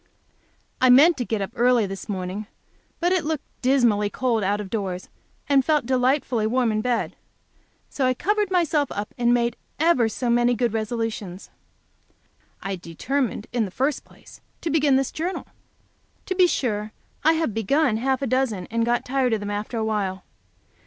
I meant to get up early this morning, but it looked dismally cold out of doors, and felt delightfully warm in bed. So I covered myself up, and made ever so many good resolutions. I determined, in the first place, to begin this Journal. To be sure, I have begun half a dozen, and got tired of them after a while.